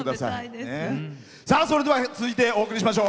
それでは続いてお送りしましょう。